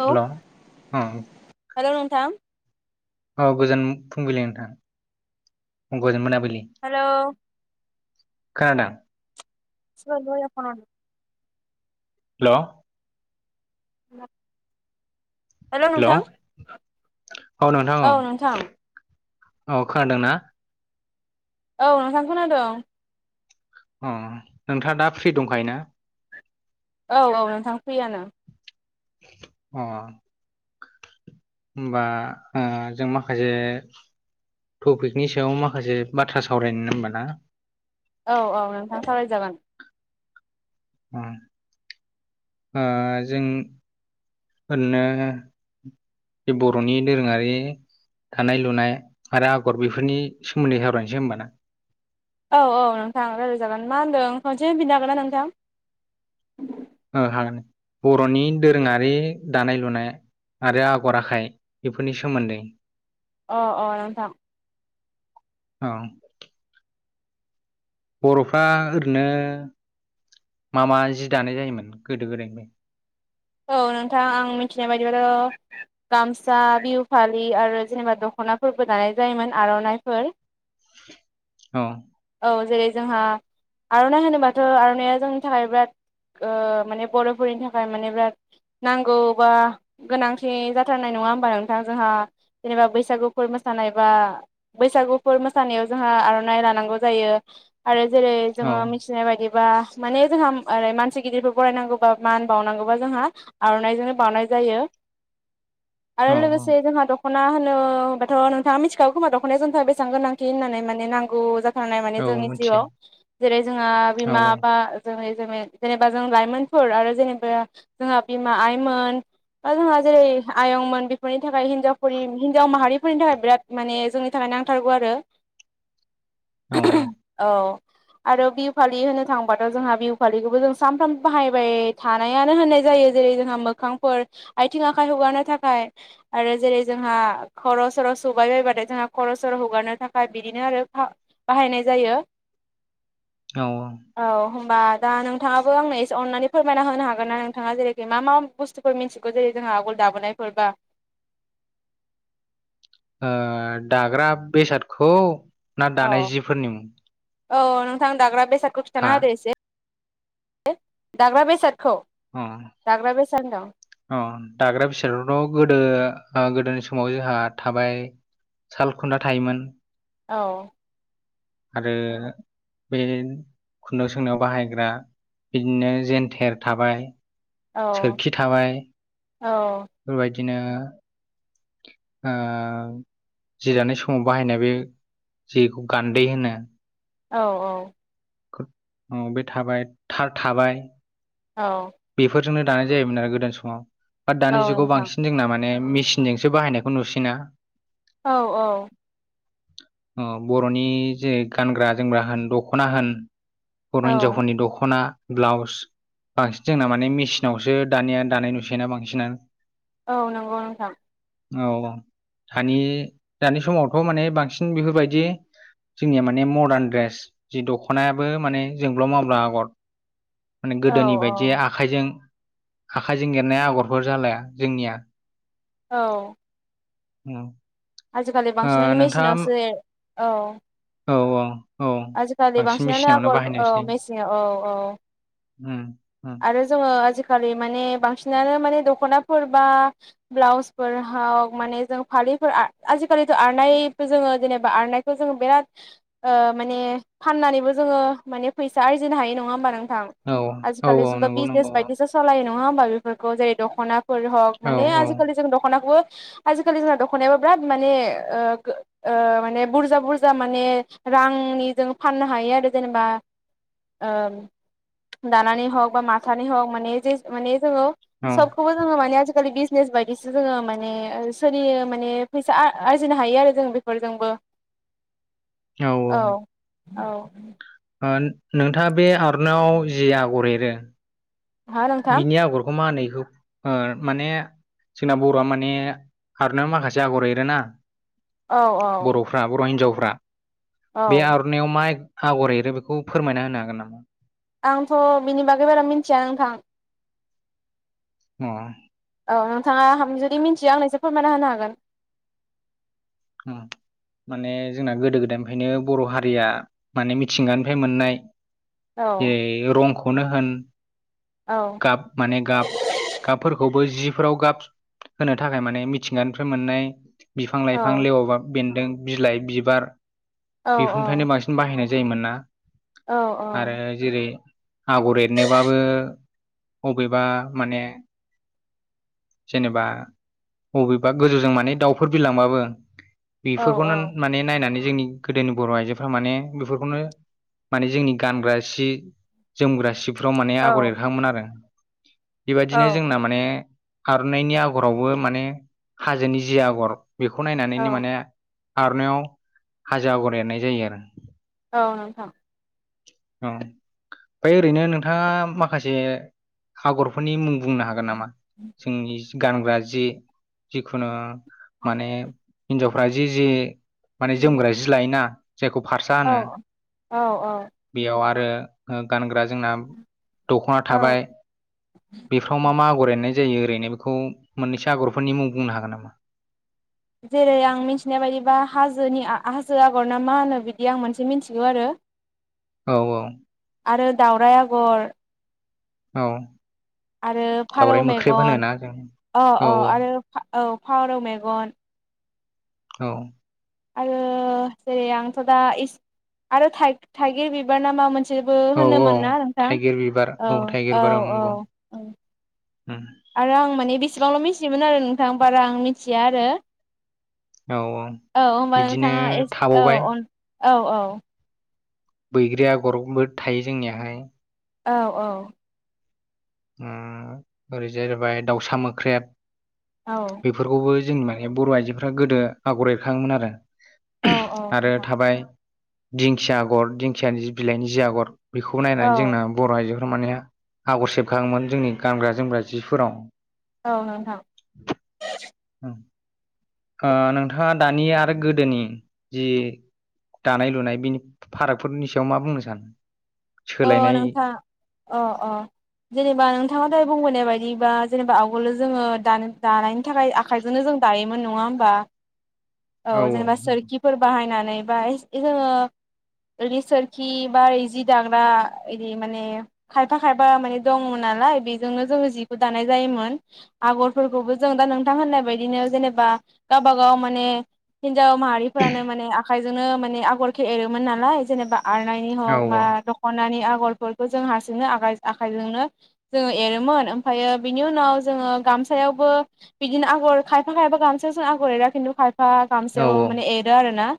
Hello hello अ hello नोंथां औ गोजोन फुंबिलि नोंथां गोजोन मोन हेल' खोनादों सया फन [unintelligible] हेलौ न' हेलौ हेल' नोंथां औ नोंथां औ खोनादों ना? औ नोंथां खोनादों अ नोंथाङा दा फ्रि दंखायो ना औ औ नोंथां फ्रियानो अ' होनबा जों माखासे थफिकनि सायाव माखासे बाथ्रा सावरायनो होनबा ना औ औ नोंथां सावरायजागोन ओ जों ओरैनो बे बर'नि दोरोङारि दानाय लुनाय आरो आगर बेफोरनि सोमोन्दै सावरायनोसै होमबा ना औ औ नोंथां रायज्लायजागोन मा होन्दों खनसे बिनो हागोन ना नोंथां ओ हागोन बर'नि दोरोङारि दानाय लुनाय आरो आगर आखाय बेफोरनि सोमोन्दै। अ अ नोंथां औ बर'फ्रा ओरैनो मा मा जि दानाय जायोमोन गोदो गोदायनिफ्राय? औ नोंथां आं मिथिनाय बायदिब्लाथ' गामसा बिहु फालि आरो जेनेबा दख' नाफोरबो दानाय जायोमोन आर'नाइफोर। औ औ जेरै जोंहा आर'नाइ होनोबाथ' आर'नाइआ जोंनि थाखाय बिराद माने बर'फोरनि थाखाय माने बिराद नांगौ बा गोनांथि जाथारनाय नङा होमबा नोंथां जोंहा जेनेबा बैसागु फोर मोसानाय बा बैसागुफोर मोसानायाव जोंहा आर'नाइ लानांगौ जायो। आरो जेरै औ जोङो मिथिनाय बायदि बा माने जोंहा ओरै मानसि गिदिरफोर फरायनांगौबा मान बावनांगौबा जोंहा आर'नाइजोंनो बावनाय जायो आरो औ लोगोसे औ जोंहा दख'ना होनो होमबाथ' नोंथाङा मिथिखागौ खोमा दख'नाया जोंनि थाखाय बेसां गोनांथि होननानै माने नांगौ [unintelligible] माने औ जोंनि मिथियो जिउआव जेरै जोंहा औ बिमा बा जों जेनेबा जों लाइमोनफोर आरो जेनेबा जोंहा बिमा आइमोन जोंहा जेरै आयंमोन बेफोरनि थाखाय हिनजावफोर हिनजाव माहारिफोरनि थाखाय बिराद माने जोंनि थाखाय नांथारगौ आरो। औ औ आरो बिहु फालि होननो थांबाथ' जोंहा बिहु फालिखौबो जों सानफ्रामबो बाहायबाय थानायानो होननाय जायो जेरै जों मोखांफोर आथिं आखाइ हुगारनो थाखाय आरो जेरै जोंहा खर' र' सर' सुबाय बायबाथाय जोंहा खर' सर' हुगारनो थाखाय बिदिनो आरो बाहायनाय जायो। औ औ। होमबा दा नोंथाङाबो आंनो एसे अननानै फोरमायना होनो हागोन ना नोंथ थाङा जेरैखि मा मा बुस्थुफोर मिथिगौ जेरै जोंहा आगोल दाबोनायफोरबा [inaudible] ओ दाग्रा बेसादखौ ना औ दानाय जिफोरनि मुं? औ नोंथां दाग्रा बेसादखौ हा खिन्थाना होदो एसे से दाग्रा बेसाद अ दाग्रा होनदों अ दाग्रा बिसोरथ' गोदो ओ गोदोनि समाव जोंहा थाबाय सालखुन्दा थायोमोन। औ आरो बे खुन्दुं सोंनायाव बाहायग्रा बिदिनो जेेनथेर थाबाय औ सोरखि थाबाय औ बेफोरदिनो ओ जिरानाय समाव बाहायनाय बे जिखौ गान्दै होनो औ औ गो औ बे थाबाय थार थाबाय औ जोंनो दानाय जायोमोन आरो गोदान समाव बा दानि जुगाव नोंथां बांसिन जोंना मान ने मेसिनजोंसो बाहायनायखौ नुसिना औ औ अ बर'नि जे गानग्रा जोमग्रा होन दख'ना होन बर' औ हिनजावफोरनि दख'ना ब्लाउस बांसिन जोंना माने मेसिनावसो दानिया दानाय नुसैना बांसिनानो औ नंगौ नोंथां। औ अ धानि दानि समावथ' माने बांसिन बेफोरबायदि जोंनिया माने मदार्न ड्रेस जि दखनायाबो माने जोंब्लाव मावब्ला आगर। माने औ गोदोनि बायदि औ आखाइजों आखाइजों एरनाया आगरफोर जालाया जोंनिया औ औ आजिखालि बांसिनानो मेसिनावसो औ औ अ औ आजिखालि बांसिन बांसिनानो मेसिनावनो आगर औ बाहायनायसै। मेसिनाव औ औ उम उम आरो जोङो आजिखालि माने बांसिनानो माने दख'नाफोर बा ब्लाउसफोर हाव माने जों फालिफोर आ आजिखालिथ' आरनाय बेखो जोङो जेनेबा आरनायखौ जोङो बेराद ओ माने‌ फाननानैबो जोङो माने फैसा आरजिनो हायो नङा होमबा नों औ औ औ फालिजोंबा नंगौ नंगौ बिजनेस औ बायदिसो सलायो नङा होमबा बेफोरखौ जेरै दख'ना फोर हक औ माने औ आजिखालि जों दख'नाखौबो आजिखालि जोंना दख'नायाबो बिराद माने ओ गो ओ माने बुरजा बुरजा माने रांनि जों फाननो हायो आरो जेनेबा ओ दानानै हक बा माथानि हक माने जेस माने जोङो औ सबखौबो जोङो माने‌ आजिखालि बिज नेस बायदिसो जोङो माने ओ सोलियो माने फैसा आ आरजिनो हायो आरो जों बेफोरजोंबो। औ अ औ ओन नोंथाङा बे आर'नायाव जि आगर एरो हा नोंथां बिनि आगरखौ मा होनो इ गौ ओर माने जोंना बर'आ माने आर'नायाव माखासे आगर एरोना औ औ बर'फ्रा बर' हिन्जावफ्रा बे औ आर'नायाव मा एग आगर एरो बेखौ फोरमायना होनो हागोन नामा? आंथ' बिनि बागै बारा मिथिया नोंथां। अ'। औ नोंथाङा जुदि मिथियो आंनो एसे फोरमायना होनो हागोन। उम। माने जोंना गोदो गोदायनिफ्रायनो बर' हारिया माने मिथिंगानिफ्राय मोननाय हागोन जेरै रंखौनो होन औ गाब माने गाब गाबफोरखौबो जि फोराव गाब होनो थाखाय माने मिथिंगानिफ्राय मोननाय बि औ फां लेवबा बेन्दों बिलाइ बिबार औ बेफोरनिफ्रायनो बांसिन बाहायनाय जायोमोन ना? औ आरो जेरै आगर एरनोबाबो अबेबा माने जेनोबा बबेबा गोजौजों माने दाउफोर बिरलांबाबो औ बेफोरखौनो माने नायनानै जोंनि गोदोनि बर' आइजोफ्रा माने बेफोरखौनो माने जोंनि गानग्रा सि जोमग्रा सिफ्राव माने आगर औ एरखांङोमोन आरो। औ बेबायदिनो जोंना माने आर'नाइनि आगरावबो माने हाजोनि जि आगर बेखौ औ नायनानैनो माने आर'नायाव हाजो आगर एरनाय जायो आरो। औ नोंथां। औ ओमफाय ओरैनो नोंथाङा माखासे आगरफोरनि मुं बुंनो हागोन नामा? जोंनि गानग्रा जि जिखुनु माने हिन्जावफ्रा जि जि माने जोमग्रा जि लायोना जायखौ फारसा औ होनो औ औ बेयाव आरो गानग्रा जोंना दखना औ थाबाय बेफ्राव मा मा आगर एरनाय जायो ओरैनो बेखौ मोननैसो आगरफोरनि मुं बुंनो हागोन नामा? जेरै आं मिथिनाय बायदिबा हाजोनि आ हाजो आगर ना मा होनो बिदि आं मोनसे मिथिगौ आरो। औ औ। आरो दावराय आगर औ। आरो फारौ दावराइ मोख्रेब मेगन होनोना जों अ औ अ आरो औ फारौ मेगन औ। आरो जेरै आंथ' दा इस आरो थाइगिर बिबार ना मा मोन सेबो औ औ होनोमोन ना नोंथां? थाइगिर बिबार औ थाइगिर औ बिबार औ नंगौ औ। उम आरो आं माने बेसेबांल' मिथियोमोन आरो नोंथां बारा आं मिथिया आरो। औ होमबा बिदिनो नोंथाङा एस औ थाबावबाय औ औ। बैग्रि आगरबो थायो जोंनियाहाय। औ औ। ओम ओरै जाहैबाय दाउसा मोख्रेब औ बेफोरखौबो जोंनि माने बर' आइजोफ्रा गोदो आगर एरखाङोमोन आरो औ आरो नोंथां थाबाय दिंखिया आगर दिंखियानि जि बिलाइनि जि आगर बेखौ औ नायनानै जोंना बर' आइजो फोरा माने आगर सेबखाङोमोन जोंनि गानग्रा जोमग्रा जिफोराव। औ नोंथां। ओ नोंथाङा दानि आरो गोदोनि जि दानाय लुनाय बिनि फारागफोरनि सायाव मा बुंनो सानो? अ सोलायनाय नोंथां अ अ जेनोबा नोंथाङा दहाय बुंबोननाय बायदि बा जेनोबा आवगोलनो जोङो दा दानायनि थाखाय आखाइजोंनो जों दायोमोन नङा होमबा? औ जेनोबा सोरखिफोर बाहायनानै बा ए जोङो सोरखि बा जि दा बा इदि माने खायफा खायफा माने दङ नालाय बेजोंनो जोङो जिखौ दानाय जायोमोन। आगरफोरखौबो जों दा नोंथां होननाय बायदिनो जेनोबा गावबा गाव माने हिनजाव माहारिफोरानो माने आखाइजोंनो माने आगरखे एरोमोन नालाय जेनेबा आरनाइनि औ हक मा द'ख नानै आगरफोरखौ जों हारसिंनो आखायजोंनो जोङो एरोमोन ओमफाय बिनि उनाव जों गामसायावबो बिदिनो आगर खायफा खायफा गामसायाव जों आगर एरा खिन्थु खायफा औ गामसायाव माने एरो आरो ना।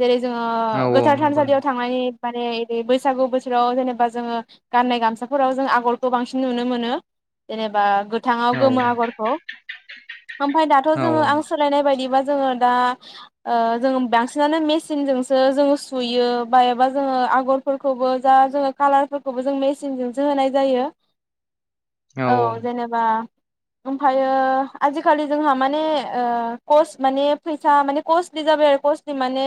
जेरै जोङो औ औ गोथार नंगौ थानसालियाव नंगौ थांनानै माने बैसागु बोथोर फोराव जेनेबा जोङो गाननाय गामसाफोराव जों आगरखौ बांसिन नुनो मोनो जेनेबा गो गोथाङाव औ गोमो आगरखौ ओमफाय दाथ' औ जोङो आगर सोलायनाय बायदिबा जोङो दा ओ बांसिनानो मेसिनजोंसो जोङो सुयो बा एबा जोङो आगरफोरखौबो जा जोङो कालारफोरखौबो जों मेचिनजोंसो होनाय जायो। औ जेनेबा ओमफायो आजिखालि जोंहा माने कस माने फैसा माने कस्ट कस नि माने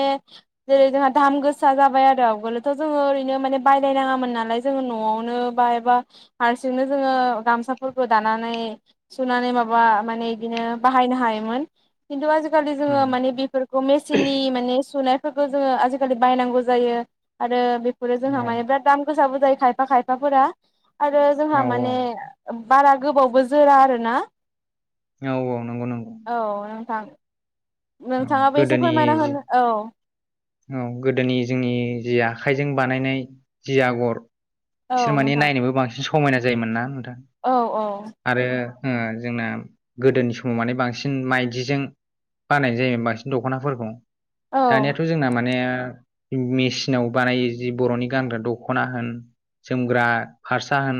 जेरै जोंहा दाम गोसा जाबाय आरो आवगोलोथ' जोङो ओरैनो बायलायनाङामोन नालाय जोङो न'आवनो बा एबा हारसिंनो जोङो गामसाफोरखौ दानानै सुनानै माबा माने बिदिनो बाहायनो हायोमोन खिनथु आजिखालि खालि जोङो उम माने बेफोरखौ मेचिननि माने सुनाय फोरखो जोङो आजिखालि बायनांगौ जायो आरो बेफोरो औ जोंहा माने बिराद दाम गोसाबो जायो खायफा खायफाफोरा आरो जोंहा औ माने बारा गोबावबो जोरा आरो ना औ औ नंगौ नंगौ थां ओम गोदोनि औ औ गोदोनि जोंनि जि आखाय जों बानायनाय जि आगर औ बिसोर माने नोंथां नायनोबो बांसिन समायना जायोमोन ना थां औ आरो ओ जोंना गोदोनि समाव माने बांसिन माइदिजों बानायनाय जायोम बांसिन दख'नाफोरखौ औ दानियाथ' जोंना माने मेसिनाव बानायो जि बर'नि गानग्रा दख'ना होन जोमग्रा फारसा होन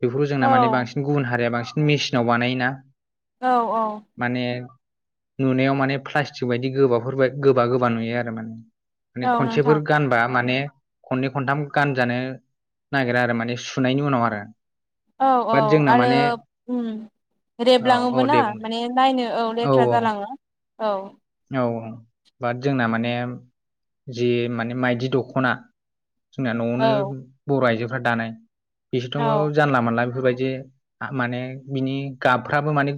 बेफोरखौ जोंना माने औ बांसिन गुबुन हारिया बांसिन मेसिनाव बानायोना औ औ माने नुनायाव माने प्लास्टिक बायदि गोबाफोर बा गोबा गोबा नुयो आरो माने माने औ नोंथां खनसेफोर गानबा माने खननै खनथाम गानजानो नागिरा आरो माने सुनायनि उनाव आरो औ औ बाट जोंना आरो माने बुं औ रेबलाङो औ बो ना दे बुं दे माने नायनो औ लेथ्रा जालाङो औ औ औ बाट जोंना माने जि माने माइदि दख'ना जोंना औ न'आवनो बर' आइजोफ्रा दानाय बिसोरथ' औ जानला मोनला बेफोरबायदि जे माने बिनि गाबफ्राबो माने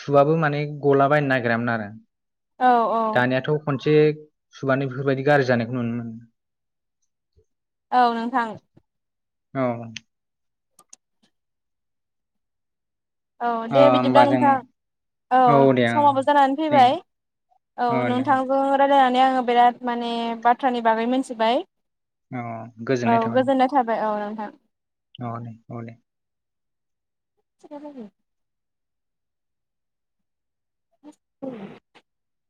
सुबाबो माने गला बायनो नागिरामोन आरो औ औ। मोनसे सुबानो बेफोरबायदि गाज्रि जानायखौ नुनो मोनो। औ नोंथां। औ औ दे ओ बिदिब्ला होमबा जों नोंथाङा औ दे ओं समाबो जानानै जों फैबाय। औ नोंथांजों रायजलायनानै आङो बिराद माने बाथ्रानि बागै मिथिबाय औ औ गोजोननाय थाबाय गोजोननाय थाबाय औ। औ दे औ दे। सेखाराखै औ